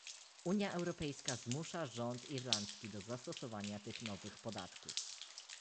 Unia Europejska zmusza rząd irlandzki do zastosowania tych nowych podatków